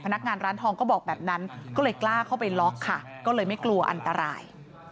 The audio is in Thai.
พนักงานร้านทองก็บอกแบบนั้นก็เลยกล้าเข้าไปล็อกค่ะก็เลยไม่กลัวอันตราย